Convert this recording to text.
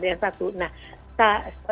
memang satu dominan daripada yang satu